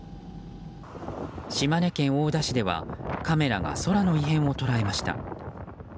島根県大田市ではカメラが空の異変を捉えました。